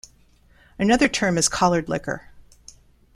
Another term is collard liquor.